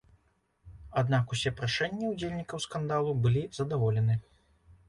Аднак усе прашэнні ўдзельнікаў скандалу былі задаволены.